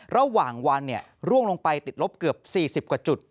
ระหว่างวันร่วงลงไปติดลบเกือบ๔๐กว่าจุด